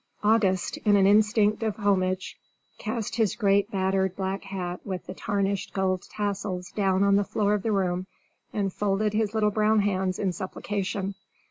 August in an instinct of homage cast his great battered black hat with the tarnished gold tassels down on the floor of the room, and folded his little brown hands in supplication.